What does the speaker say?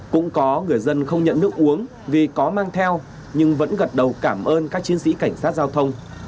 cũng có người dân không nhận nước uống vì có mang theo nhưng vẫn gật đầu cảm ơn các chiến sĩ cảnh sát giao thông